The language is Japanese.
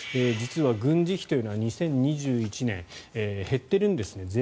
実は軍事費というのは２０２１年減っているんですね。